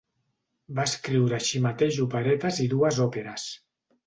Va escriure així mateix operetes i dues òperes.